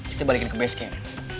kita balikin ke basecamp